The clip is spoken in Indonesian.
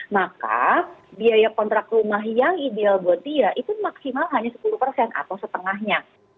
maka biaya kontrak rumah yang ideal buat dia itu maksimal hanya sepuluh atau setengahnya